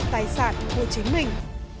tài sản của chính mình